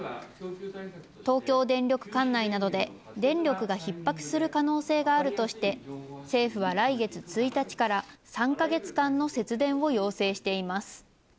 東京電力管内などで電力が逼迫する可能性があるとして、政府は来月１日から３ヶ月間の節電を要請しています。